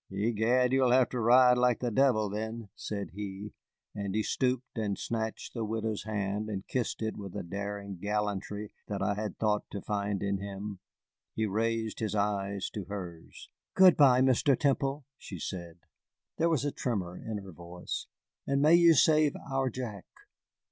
"Egad, you'll have to ride like the devil then," said he, and he stooped and snatched the widow's hand and kissed it with a daring gallantry that I had thought to find in him. He raised his eyes to hers. "Good by, Mr. Temple," she said, there was a tremor in her voice, "and may you save our Jack!"